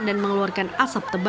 dan menghasilkan kebakaran yang berbeda